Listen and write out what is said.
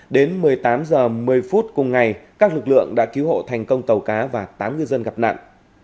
đến một mươi tám h một mươi phút cùng ngày các lực lượng đã cứu hộ thành công tàu cá và tám ngư dân gặp nạn